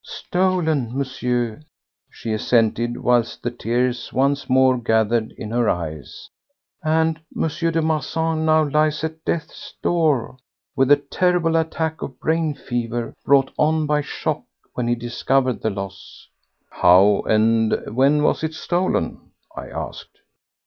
"Stolen, Monsieur," she assented whilst the tears once more gathered in her eyes, "and M. de Marsan now lies at death's door with a terrible attack of brain fever, brought on by shock when he discovered the loss." "How and when was it stolen?" I asked.